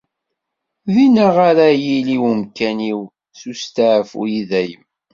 Dinna ara yili umkan-iw n usteɛfu i dayem.